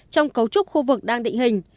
trong cấu trúc khu vực đang định hình